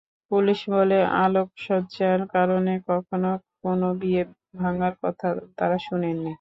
Police বলে, আলোকসজ্জার কারণে কখনো কোনো বিয়ে ভাঙার কথা তারা শোনেনি।